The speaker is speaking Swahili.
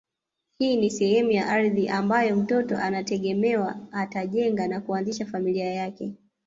Hii ni sehemu ya ardhi ambayo mtoto anategemewa atajenga na kuanzisha familia yake